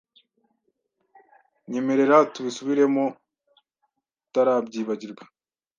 Nyemerera tubisubiremo utarabyibagirwa